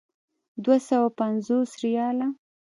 دوه سوه پنځوس ریاله.